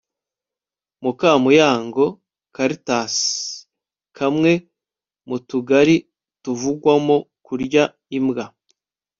mukamuyango caritas, kamwe mu tugari tuvugwamo kurya imbwa